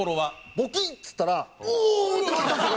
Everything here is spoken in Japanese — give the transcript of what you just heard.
「ボキ！」っつったら「おおー！」って沸いたんですよ。